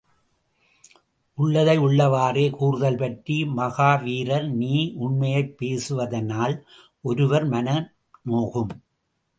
உள்ளதை உள்ளவாறே கூறுதல் பற்றி, மகாவீரர், நீ உண்மை பேசுவதினால் ஒருவர் மனம் நோகும்.